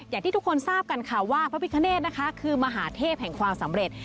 อย่างที่ทุกคนทราบกันค่ะว่าพระพิคเนธนะคะคือมหาเทพแห่งความสำเร็จ